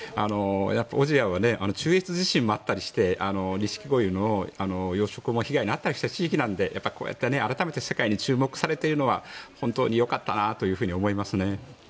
小千谷は中越地震もあったりしてニシキゴイの養殖も被害に遭ったりした地域なのでこうやって改めて世界に注目されているのは本当によかったなと思いますね。